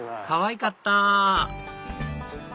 かわいかった！